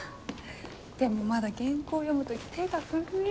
でもまだ原稿読む時手が震える。